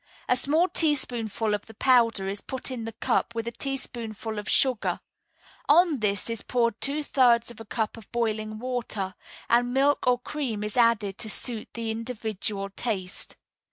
A small teaspoonful of the powder is put in the cup with a teaspoonful of sugar; on this is poured two thirds of a cup of boiling water, and milk or cream is added to suit the individual taste.